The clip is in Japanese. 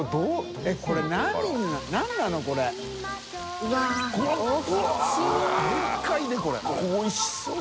ここおいしそう。